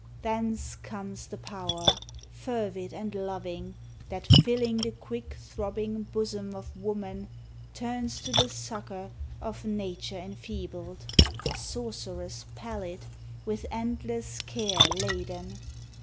Thence comes the power, Fervid and loving, that, Filling the quick throbbing Bosom of woman, Turns to the succor Of nature enfeebled; A sorceress pallid, With endless care laden.